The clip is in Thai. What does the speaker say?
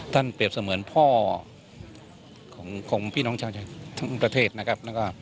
เปรียบเสมือนพ่อของพี่น้องชาวไทยทั้งประเทศนะครับ